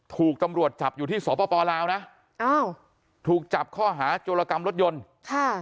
ถูกตำรวจจับอยู่ที่สปลาวนะอ้าวถูกจับข้อหาโจรกรรมรถยนต์ค่ะ